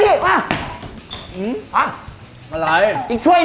พี่มาแล้วพี่มา